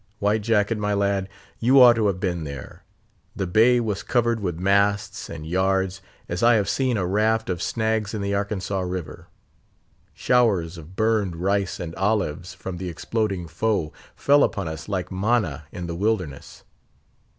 White Jacket, my lad, you ought to have been there. The bay was covered with masts and yards, as I have seen a raft of snags in the Arkansas River. Showers of burned rice and olives from the exploding foe fell upon us like manna in the wilderness.